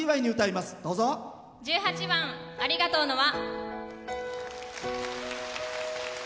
１８番「ありがとうの輪」。